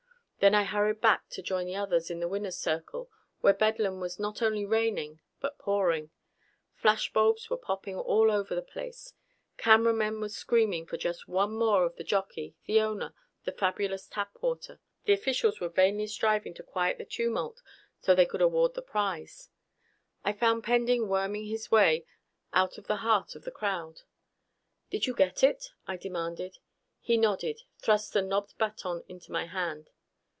Then I hurried back to join the others in the winner's circle, where bedlam was not only reigning but pouring. Flashbulbs were popping all over the place, cameramen were screaming for just one more of the jockey, the owner, the fabulous Tapwater. The officials were vainly striving to quiet the tumult so they could award the prize. I found Pending worming his way out of the heart of the crowd. "Did you get it?" I demanded. He nodded, thrust the knobbed baton into my hand.